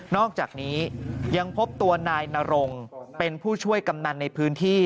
อกจากนี้ยังพบตัวนายนรงเป็นผู้ช่วยกำนันในพื้นที่